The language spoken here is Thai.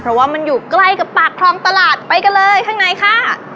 เพราะว่ามันอยู่ใกล้กับปากคลองตลาดไปกันเลยข้างในค่ะ